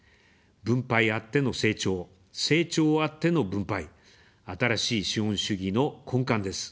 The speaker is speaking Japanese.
分配あっての成長、成長あっての分配、「新しい資本主義」の根幹です。